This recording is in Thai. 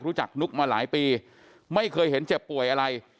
รู้จักนุ๊กมาหลายปีไม่เคยเห็นเจ็บป่วยอะไร